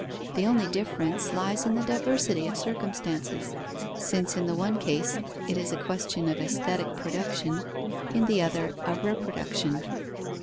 The only difference lies in the diversity of circumstances, since in the one case it is a question of aesthetic production, in the other of reproduction.